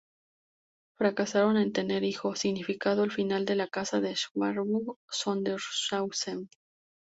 Fracasaron en tener hijo significando el fin de la Casa de Schwarzburgo-Sondershausen.